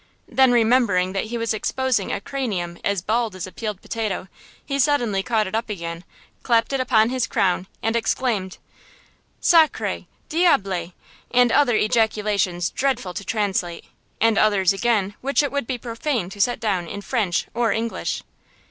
Then remembering that he was exposing a cranium as bald as a peeled potato, he suddenly caught it up again, clapped it upon his crown and exclaimed: "Sacre! Diable!" and other ejaculations dreadful to translate, and others again which it would be profane to set down in French or English.